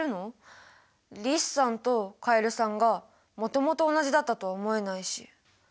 リスさんとカエルさんがもともと同じだったとは思えないし。